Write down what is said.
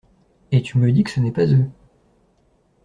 Et tu me dis que ce n’est pas eux?